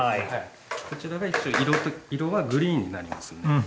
こちらが一応色はグリーンになりますね。